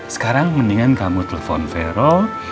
sekarang mendingan kamu telpon vero